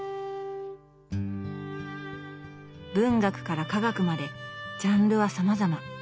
文学から科学までジャンルはさまざま。